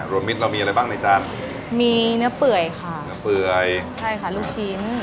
มิตรเรามีอะไรบ้างในจานมีเนื้อเปื่อยค่ะเนื้อเปื่อยใช่ค่ะลูกชิ้น